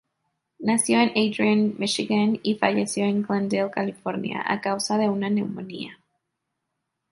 Nació en Adrian, Michigan, y falleció en Glendale, California, a causa de una neumonía.